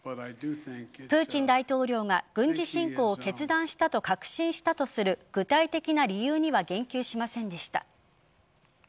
プーチン大統領が軍事侵攻を決断したと確信したとする具体的な理由には言及しませんでした。